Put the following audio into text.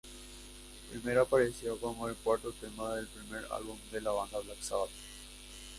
Primero apareció como el cuarto tema del primer álbum de la banda "Black Sabbath".